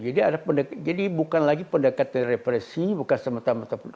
jadi bukan lagi pendekatan represi bukan semata mata